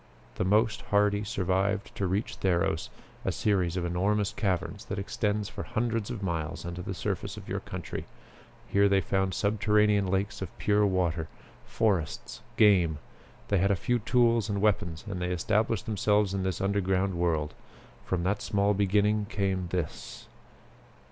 The most hardy survived to reach Theros, a series of enormous caverns that extends for hundreds of miles under the surface of your country. Here they found subterranean lakes of pure water; forests, game. They had a few tools and weapons and they established themselves in this underground world. From that small beginning came this!"